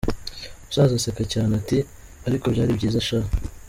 Umusaza aseka cyane ati “Ariko byari byiza sha.